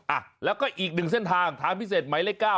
อ่ะแล้วก็อีกหนึ่งเส้นทางทางพิเศษหมายเลข๙